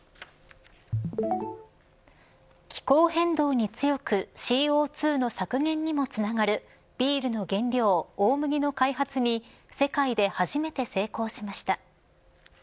気候変動に強くＣＯ２の削減にもつながるビールの原料、大麦の開発に世界で初めて成功しました。